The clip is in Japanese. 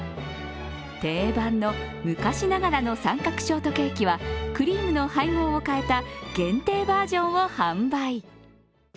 定番の昔ながらの三角ショートケーキは、クリームの配合を変えた限定バージョンを販売。